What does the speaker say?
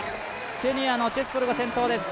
ケニアのチェスポルが先頭です。